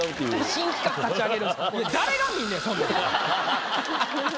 新企画立ち上げるんすか？